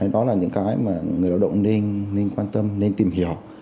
đó là những cái mà người lao động nên quan tâm nên tìm hiểu